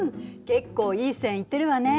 結構いい線行ってるわね。